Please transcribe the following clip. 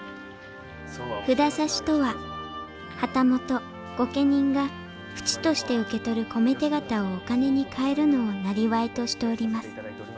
札差とは旗本御家人が扶持として受け取る米手形をお金に換えるのを生業としております。